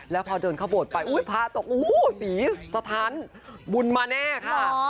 แล้วพอเดินเข้าโบสถ์ไปพาตกสีสะทั้นบุญมาแน่ค่ะ